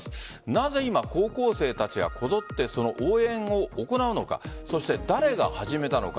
なぜ今、高校生たちがこぞってその応援を行うのかそして誰が始めたのか。